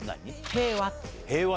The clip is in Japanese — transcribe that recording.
平和。